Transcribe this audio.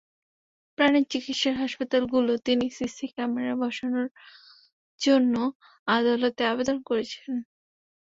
প্রাণী চিকিৎসার হাসপাতালগুলোতে তিনি সিসি ক্যামেরা বসানোর জন্য আদালতে আবেদন করেছেন।